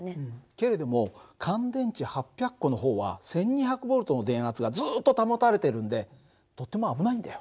けれども乾電池８００個の方は１，２００Ｖの電圧がずっと保たれてるんでとっても危ないんだよ。